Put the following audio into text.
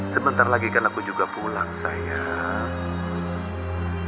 sebentar lagi kan aku juga pulang saya